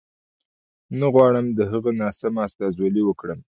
نه غواړم د هغه ناسمه استازولي وکړم.